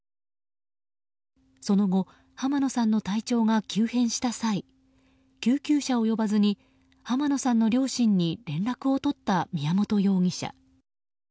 その後、濱野さんの体調が急変した際救急車を呼ばずに濱野さんの両親に連絡を取った宮本容疑者。